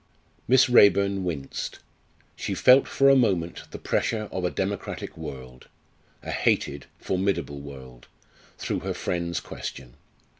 Miss Raeburn winced. She felt for a moment the pressure of a democratic world a hated, formidable world through her friend's question.